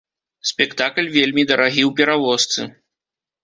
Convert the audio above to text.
Спектакль вельмі дарагі ў перавозцы.